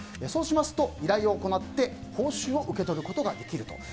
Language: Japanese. そうしますと、依頼を行って報酬を受け取ることができると。